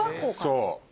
そう。